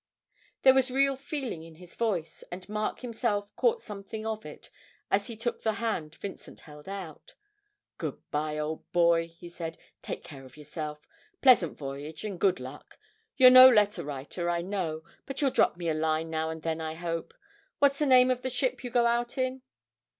There was real feeling in his voice, and Mark himself caught something of it as he took the hand Vincent held out. 'Good bye, old boy,' he said. 'Take care of yourself pleasant voyage and good luck. You're no letter writer, I know, but you'll drop me a line now and then, I hope. What's the name of the ship you go out in?'